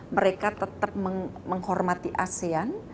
mereka tetap menghormati asean